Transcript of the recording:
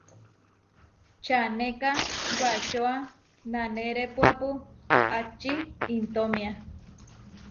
Čanéka wačóa nanerépuapu aʼčí intómia.